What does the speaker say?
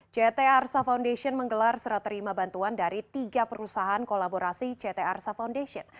ct arsa foundation menggelar serat terima bantuan dari tiga perusahaan kolaborasi ct arsa foundation